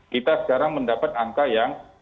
kita sekarang mendapat angka yang